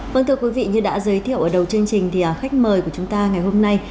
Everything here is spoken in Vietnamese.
vâng thưa quý vị như đã giới thiệu ở đầu chương trình thì khách mời của chúng ta ngày hôm nay